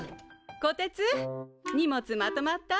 こてつ荷物まとまった？